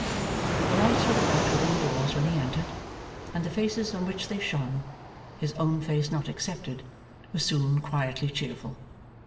The lights were bright within doors when he entered, and the faces on which they shone, his own face not excepted, were soon quietly cheerful.